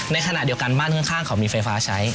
ในขณะเดียวกันบ้านข้างเขามีไฟฟ้าใช้